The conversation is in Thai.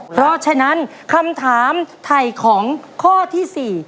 เพราะฉะนั้นคำถามไถ่ของข้อที่๔